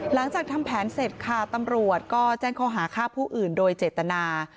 หลังจากทำแผนเสร็จค่ะตำรวจก็แจ้งข้อหาฆ่าผู้อื่นโดยเจตนา